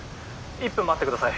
１分待ってください。